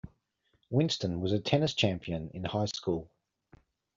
Winston was a tennis champion in high school.